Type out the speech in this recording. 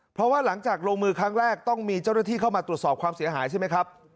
เพราะว่าหลังจากลงมือครั้งแรกต้องมีเจ้าหน้าที่เข้ามาตรวจสอบความเสียหายใช่ไหมครับ